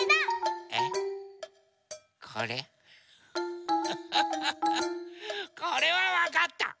これはわかった。